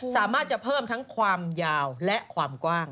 สามารถจะเพิ่มทั้งความยาวและความกว้าง